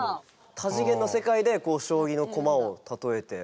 多次元の世界でこう将棋の駒を例えて。